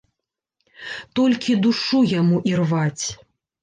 Толькі душу яму ірваць.